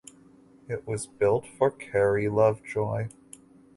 It was built for Carrie Lovejoy.